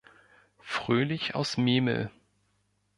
Fröhlich aus Memel.